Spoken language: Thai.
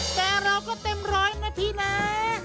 แต่เราก็เต็มร้อยนะพี่นะ